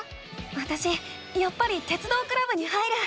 わたしやっぱり鉄道クラブに入る。